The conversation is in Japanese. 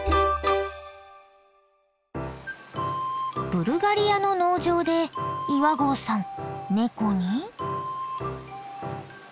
ブルガリアの農場で岩合さんネコに。